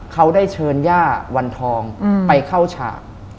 เขาได้เชิญย่าวันทองไปเข้าฉาก